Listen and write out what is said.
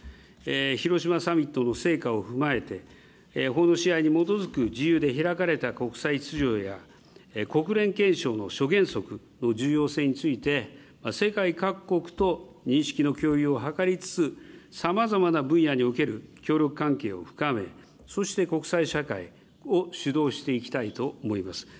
広島サミットの成果を踏まえて、法の支配に基づく自由で開かれた国際秩序や、国連憲章の諸原則の重要性について、世界各国と認識の共有を図りつつ、さまざまな分野における協力関係を深め、そして国際社会を主導していきたいと思います。